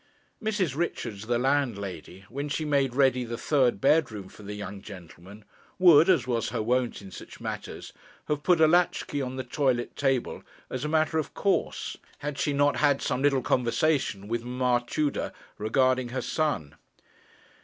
Mrs. Richards, the landlady, when she made ready the third bedroom for the young gentleman, would, as was her wont in such matters, have put a latch key on the toilet table as a matter of course, had she not had some little conversation with Mamma Tudor regarding her son.